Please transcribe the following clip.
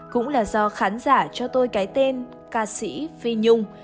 cũng là do khán giả cho tôi cái tên ca sĩ phi nhung